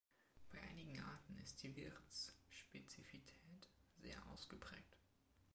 Bei einigen Arten ist die Wirtsspezifität sehr ausgeprägt.